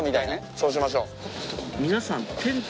そうしましょう。